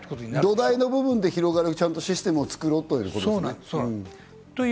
土台の部分で広がるシステムを作ろうということ。